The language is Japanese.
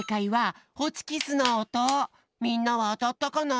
みんなはあたったかな？